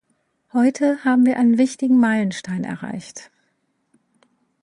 Heute haben wir einen wichtigen Meilenstein erreicht.